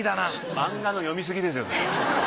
漫画の読みすぎですよそれ。